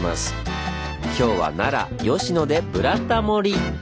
今日は奈良・吉野で「ブラタモリ」！